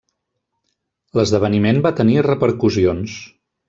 L'esdeveniment va tenir repercussions.